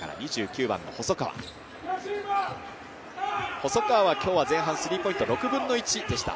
細川は今日は前半、スリーポイント６分の１でした。